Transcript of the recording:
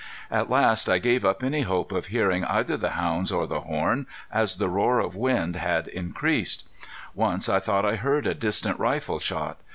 At last I gave up any hope of hearing either the hounds or the horn, as the roar of wind had increased. Once I thought I heard a distant rifle shot.